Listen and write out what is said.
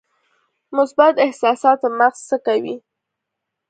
مثبت احساسات په مغز څه کوي؟